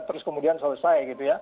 terus kemudian selesai